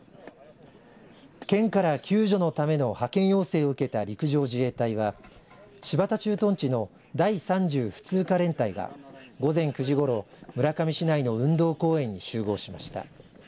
県から救助のための派遣要請を受けた陸上自衛隊は、新発田駐屯地の第３０普通科連隊が午前９時ごろ、村上市内の運動公園に集合しました。